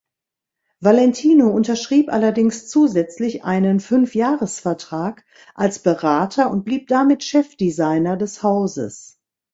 Valentino unterschrieb allerdings zusätzlich einen Fünfjahres-Vertrag als Berater und blieb damit Chefdesigner des Hauses.